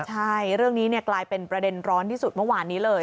ใช่เรื่องนี้กลายเป็นประเด็นร้อนที่สุดเมื่อวานนี้เลย